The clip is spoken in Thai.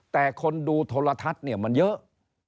แต่คนดูโทรทัศน์เนี่ยมันเยอะ